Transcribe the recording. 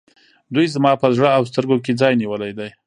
دوی زما په زړه او سترګو کې ځای نیولی دی.